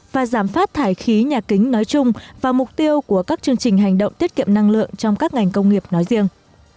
và giảm phát thải khí nhà kính nói chung và mục tiêu của các chương trình hành động tiết kiệm năng lượng trong các ngành công nghiệp nói riêng